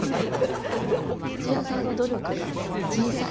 土屋さんの努力が小さい。